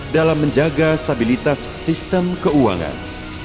dalam menjaga stabilitas sistem keuangan